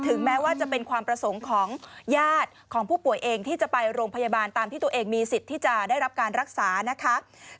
แม้ว่าจะเป็นความประสงค์ของญาติของผู้ป่วยเองที่จะไปโรงพยาบาลตามที่ตัวเองมีสิทธิ์ที่จะได้รับการรักษานะคะ